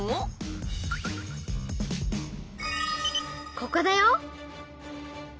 ここだよ！